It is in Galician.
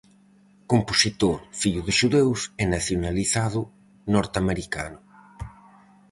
Compositor, fillo de xudeus e nacionalizado norteamericano.